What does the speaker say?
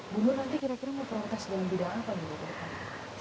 bu nur nanti kira kira mau protes dengan bidang apa